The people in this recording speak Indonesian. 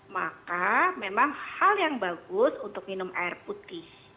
maka memang hal yang bagus untuk minum air putih